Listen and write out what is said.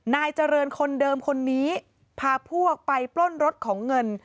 นายเจริญคนเดิมคนนี้พาพวกไปปล้นรถของเงิน